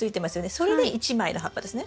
それで１枚の葉っぱですね。